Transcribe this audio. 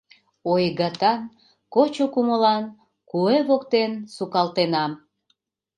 Ойгатан, кочо кумылан, Куэ воктен сукалтенам.